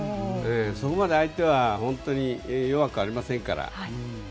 そこまで相手は本当に弱くありませんから。